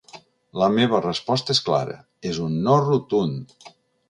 La meva resposta és clara: és un no rotund.